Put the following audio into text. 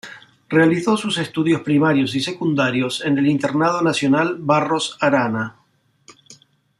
Realizó sus estudios primarios y secundarios en el Internado Nacional Barros Arana.